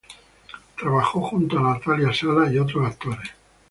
Trabajo junto a Natalia Salas y otros actores.